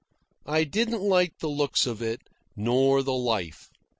I didn't like the looks of it, nor the life.